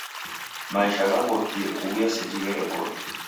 Maisha ghaw'okie kuw'uya seji gherekoghe.